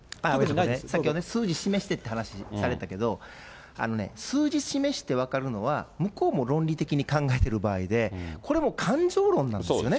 さっき、数字を示してって話されてたけど、数字示して分かるのは、向こうも論理的に考えてる場合で、これもう、感情論なんですよね。